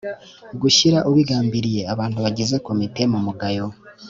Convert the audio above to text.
gushyira ubigambiriye abantu bagize komite mu mugayo